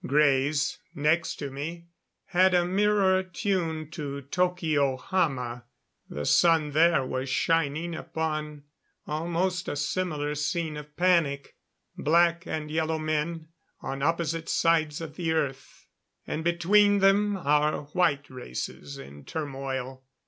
Greys next to me had a mirror tuned to Tokyohama. The sun there was shining upon almost a similar scene of panic. Black and yellow men on opposite sides of the Earth. And between them our white races in turmoil.